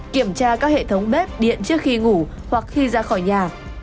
kiểm tra các hệ thống bếp điện trước khi ngủ hoặc khi ra khỏi nhà